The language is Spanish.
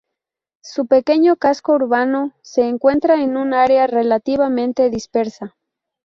Su pequeño casco urbano se encuentra en un área relativamente dispersa.